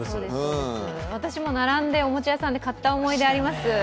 私も並んでおもちゃ屋さんで買った思い出があります。